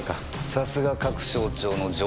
さすが各省庁の情報官。